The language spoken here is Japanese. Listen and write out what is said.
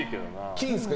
金ですか？